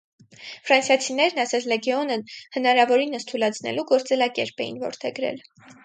Ֆրանսիացիներն ասես լեգեոնը հնարավորինս թուլացնելու գործելակերպ էին որդեգրել։